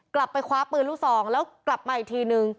กลับไปคว้าปืนลูกซองแล้วกลับมาอีกทีนึง